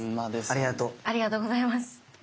ありがとうございます。